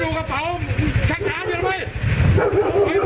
สวัสดีคุณผู้ชมขออนุญาตครับขออนุญาต